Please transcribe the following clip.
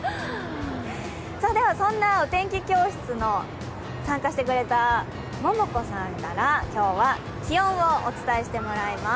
そんなお天気教室に参加してくれた、ももこさんから今日は気温をお伝えしてもらいます。